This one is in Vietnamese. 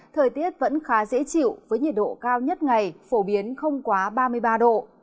thời tiết vẫn khá dễ chịu với nhiệt độ cao nhất ngày phổ biến không quá ba mươi ba độ